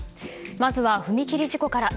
まずは踏切事故から。